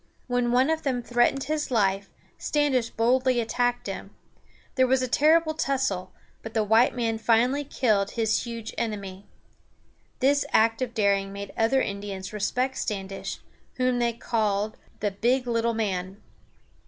When one of them threatened his life, Standish boldly attacked him. There was a terrible tussle, but the white man finally killed his huge enemy. This act of daring made other Indians respect Standish, whom they called the "big little man."